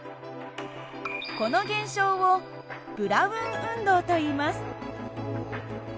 この現象をブラウン運動といいます。